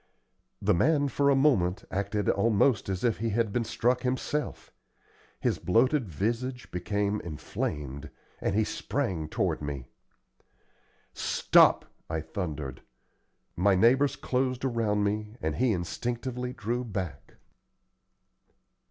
The man for a moment acted almost as if he had been struck himself. His bloated visage became inflamed, and he sprang toward me. "Stop!" I thundered. My neighbors closed around me, and he instinctively drew back.